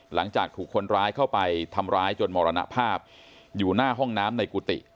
หลังจากถูกคนร้ายเข้าไปทำร้ายจนมรณภาพอยู่หน้าห้องน้ำในกุฏิ